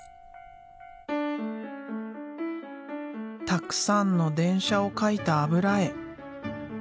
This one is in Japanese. たくさんの電車を描いた油絵。